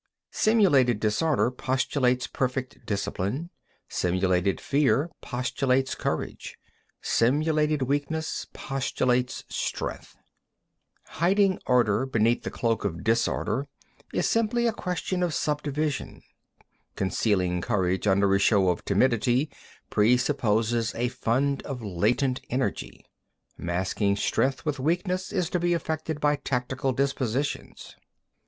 17. Simulated disorder postulates perfect discipline; simulated fear postulates courage; simulated weakness postulates strength. 18. Hiding order beneath the cloak of disorder is simply a question of subdivision; concealing courage under a show of timidity presupposes a fund of latent energy; masking strength with weakness is to be effected by tactical dispositions.